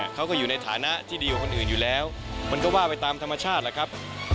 เขาก็อยู่ในฐานะที่ดีกว่าคนอื่นอยู่แล้วมันก็ว่าไปตามธรรมชาติแหละครับ